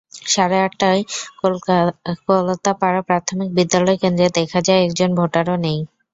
সাড়ে আটটায় কলতাপাড়া প্রাথমিক বিদ্যালয় কেন্দ্রে দেখা যায়, একজন ভোটারও নেই।